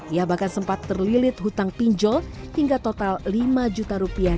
ia bahkan sempat terlilit hutang pinjol hingga total lima juta rupiah